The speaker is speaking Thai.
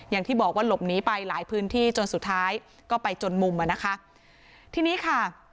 อย่างที่บอกว่าหลบหนีไปหลายพื้นที่จนสุดท้ายก็ไปจนมุมอ่ะนะคะทีนี้ค่ะ